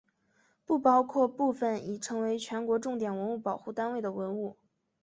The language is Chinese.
不包括部分已成为全国重点文物保护单位的文物。